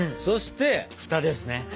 そしてふたですね。